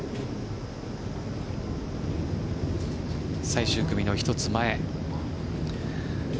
最終組の１つ前。